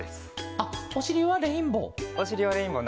あっおしりはレインボー。